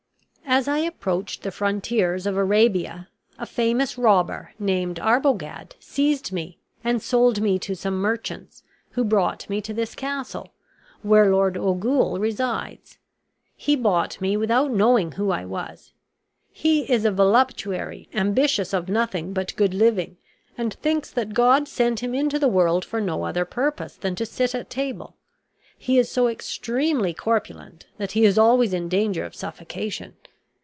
"As I approached the frontiers of Arabia, a famous robber, named Arbogad, seized me and sold me to some merchants, who brought me to this castle, where Lord Ogul resides. He bought me without knowing who I was. He is a voluptuary, ambitious of nothing but good living, and thinks that God sent him into the world for no other purpose than to sit at table. He is so extremely corpulent that he is always in danger of suffocation.